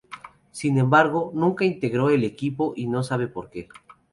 Sin embargo, nunca integró el equipo y no se sabe por que.